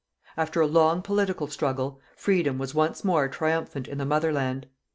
After a long political struggle, freedom was once more triumphant in the Motherland.